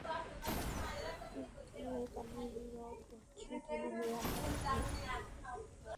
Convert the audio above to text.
প্রতিপক্ষের কানে এ রব বজ্রধ্বনি হয়ে আঘাত হানে।